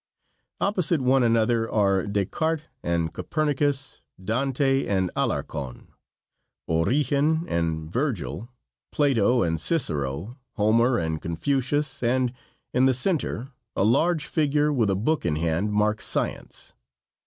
Opposite one another are Descartes and Copernicus, Dante and Alarcon. Origen and Virgil, Plato and Cicero, Homer and Confucius, and in the center a large figure with a book in hand marked "Science."